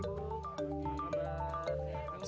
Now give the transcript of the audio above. selamat pagi bu